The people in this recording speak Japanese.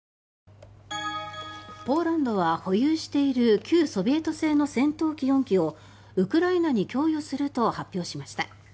ポーランドは、保有している旧ソビエト製の戦闘機４機をウクライナに供与すると発表しました。